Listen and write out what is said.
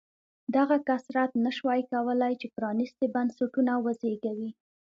دغه کثرت نه شوای کولای چې پرانېستي بنسټونه وزېږوي.